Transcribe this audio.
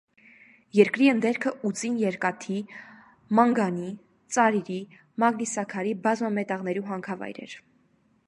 Երկրի ընդերքը ուծին երկաթի, մանգանի, ծարիրի, մագնիսաքարի բազմամետաղներու հանքավայրեր։